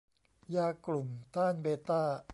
ยากลุ่มต้านเบต้า